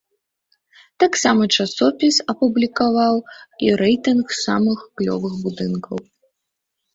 Таксама часопіс апублікаваў і рэйтынг самых клёвых будынкаў.